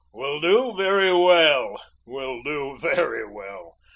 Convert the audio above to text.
"Will do very well! Will do very well!